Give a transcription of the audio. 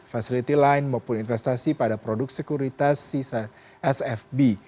fasiliti lain maupun investasi pada produk sekuritas sisa sfb